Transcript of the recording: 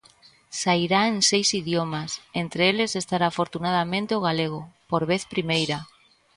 Sairá en seis idiomas, entre eles estará afortunadamente o galego, por vez primeira.